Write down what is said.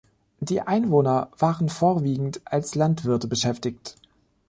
Die Einwohner waren vorwiegend als Landwirte beschäftigt.